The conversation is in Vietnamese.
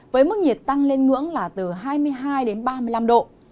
với mức nhiệt tăng lên ngưỡng là từ hai mươi hai đến ba mươi năm độ